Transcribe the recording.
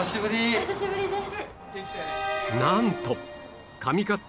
お久しぶりです。